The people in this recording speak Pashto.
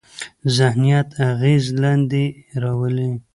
ذهنیت اغېز لاندې راولي.